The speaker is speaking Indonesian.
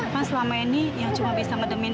kan selama ini yang cuma bisa menganggap vino